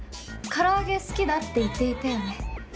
唐揚げ好きだって言っていたよね？